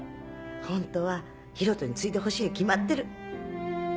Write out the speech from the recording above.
ホントは広翔に継いでほしいに決まってる。